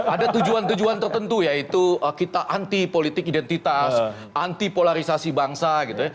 ada tujuan tujuan tertentu yaitu kita anti politik identitas anti polarisasi bangsa gitu ya